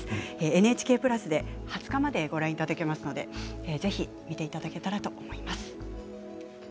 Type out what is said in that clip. ＮＨＫプラスで２０日までご覧いただけますのでぜひ見ていただけたらと思います。